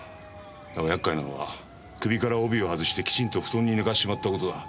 だが厄介なのは首から帯を外してきちんと布団に寝かしちまった事だ。